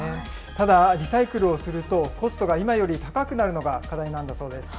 ただ、リサイクルをすると、コストが今より高くなるのが課題なんだそうです。